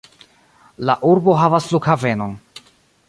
La urbo havas flughavenon.